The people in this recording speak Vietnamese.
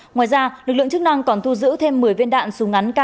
ngoài ra lực lượng chức năng còn thu giữ thêm một mươi viên đạn súng ngắn k năm mươi bốn